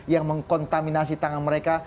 yang mengkontaminasi tangan mereka